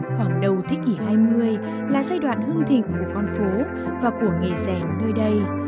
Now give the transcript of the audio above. khoảng đầu thế kỷ hai mươi là giai đoạn hương thịnh của con phố và của nghề rèn nơi đây